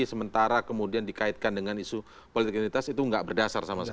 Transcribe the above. sementara kemudian dikaitkan dengan isu politik identitas itu nggak berdasar sama sekali